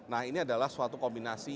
nah ini adalah suatu kombinasi